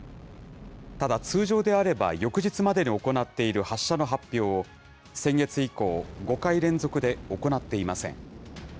ただ通常であれば翌日までに行っている発射の発表を、先月以降、５回連続で行っていません。